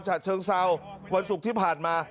ฉะเชิงเซาวันศุกร์ที่ผ่านมา